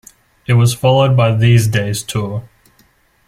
It was followed by These Days Tour.